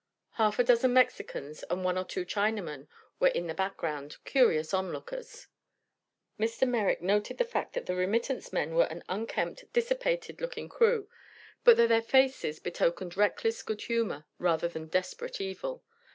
Half a dozen Mexicans and one or two Chinamen were in the background, curious onlookers. Mr. Merrick noted the fact that the remittance men were an unkempt, dissipated looking crew, but that their faces betokened reckless good humor rather than desperate evil.